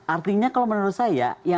artinya kalau menurut saya